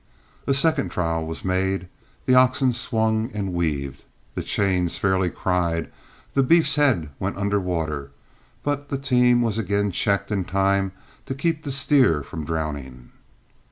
A second trial was made; the oxen swung and weaved, the chains fairly cried, the beef's head went under water, but the team was again checked in time to keep the steer from drowning.